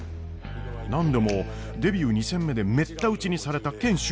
何でもデビュー２戦目でめった打ちにされた賢秀は。